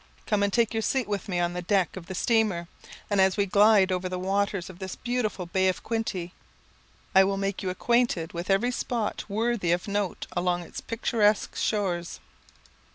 Come, and take your seat with me on the deck of the steamer; and as we glide over the waters of this beautiful Bay of Quinte, I will make you acquainted with every spot worthy of note along its picturesque shores.